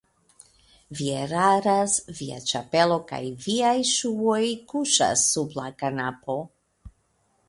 Vi eraras, via ĉapelo kaj viaj ŝuoj kuŝas sub la kanapo.